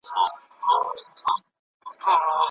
که يې تاریخ لوستی وای نو غلطي به يې نه کوله.